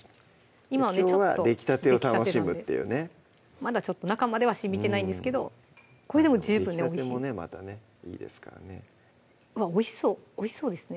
今はちょっときょうはできたてを楽しむというまだちょっと中まではしみてないですけどこれでも十分ねおいしいできたてもまたねいいですからねおいしそうおいしそうですね